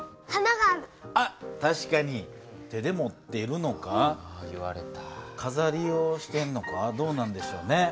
手で持っているのかかざりをしているのかどうなんでしょうね。